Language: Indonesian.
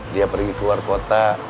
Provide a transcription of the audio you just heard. dia pergi keluar kota